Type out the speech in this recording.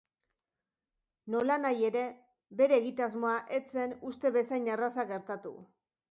Nolanahi ere, bere egitasmoa ez zen uste bezain erraza gertatu.